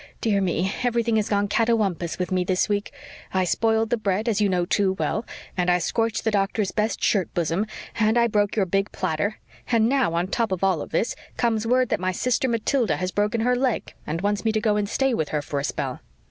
Dear me, everything has gone catawampus with me this week. I spoiled the bread, as you know too well and I scorched the doctor's best shirt bosom and I broke your big platter. And now, on the top of all this, comes word that my sister Matilda has broken her leg and wants me to go and stay with her for a spell."